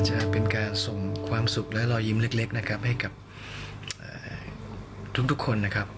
จะเป็นการส่งความสุขและรอยยิ้มเล็กนะครับให้กับทุกคนนะครับ